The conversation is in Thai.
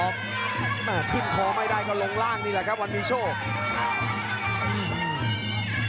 แม่ขึ้นคอไม่ได้ก็ลงล่างนี่แหละครับวันมีโชคอืม